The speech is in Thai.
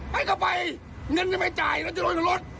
ไปก็ไปเงินยังไม่จ่ายแล้วจะโดยรถ